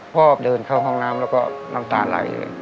พ่อเดินเข้าห้องน้ำแล้วก็น้ำตาไหลเลย